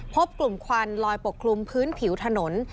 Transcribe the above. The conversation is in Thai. พบกลุ่มควันลอยปกคลุมพื้นผิวถนน